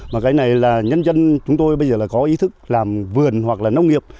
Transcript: mà cái này là nhân dân chúng tôi bây giờ là có ý thức làm vườn hoặc là nông nghiệp